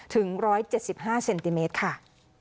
ถึงร้อยเจ็ดสิบห้าเซนติเมตรค่ะ